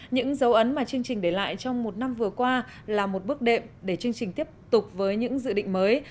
những dấu ấn mà chương trình để lại trong một năm vừa qua là một bước đệm để chương trình tiếp tục với những dự định mới